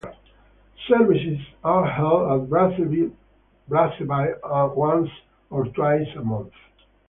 Services are held at Braceby once or twice a month.